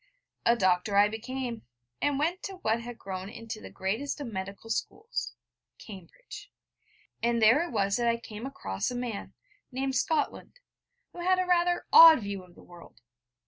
A doctor I became, and went to what had grown into the greatest of medical schools Cambridge; and there it was that I came across a man, named Scotland, who had a rather odd view of the world.